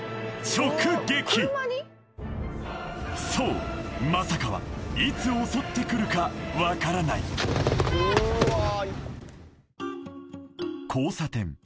直撃そう「まさか」はいつ襲ってくるか分からない交差点